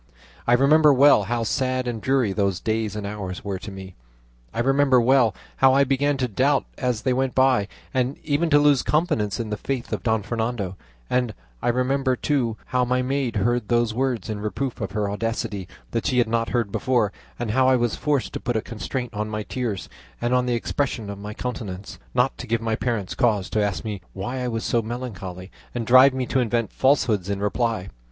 I remember well how sad and dreary those days and hours were to me; I remember well how I began to doubt as they went by, and even to lose confidence in the faith of Don Fernando; and I remember, too, how my maid heard those words in reproof of her audacity that she had not heard before, and how I was forced to put a constraint on my tears and on the expression of my countenance, not to give my parents cause to ask me why I was so melancholy, and drive me to invent falsehoods in reply.